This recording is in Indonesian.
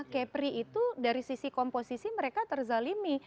kepri itu dari sisi komposisi mereka terzalimi